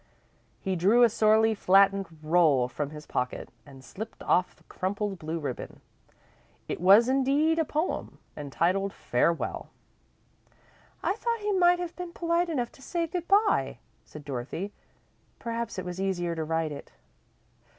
He drew a sorely flattened roll from his pocket, and slipped off the crumpled blue ribbon. It was, indeed, a poem, entitled "Farewell." "I thought he might have been polite enough to say good bye," said Dorothy. "Perhaps it was easier to write it."